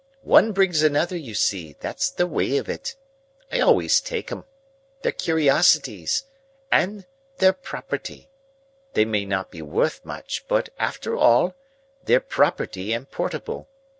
One brings another, you see; that's the way of it. I always take 'em. They're curiosities. And they're property. They may not be worth much, but, after all, they're property and portable.